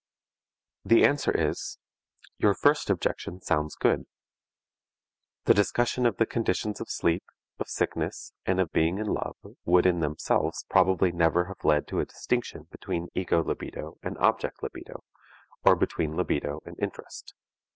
The answer is: Your first objection sounds good. The discussion of the conditions of sleep, of sickness and of being in love would in themselves probably never have led to a distinction between ego libido and object libido, or between libido and interest.